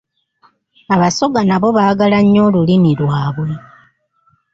Abasoga nabo baagala nnyo olulimi lwabwe.